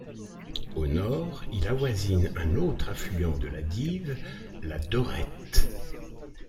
Au nord, il avoisine un autre affluent de la Dives, la Dorette.